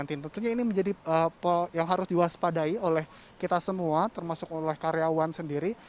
tentunya ini menjadi yang harus diwaspadai oleh kita semua termasuk oleh karyawan sendiri